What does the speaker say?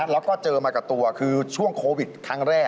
แล้วก็เจอมากับตัวคือช่วงโควิดครั้งแรก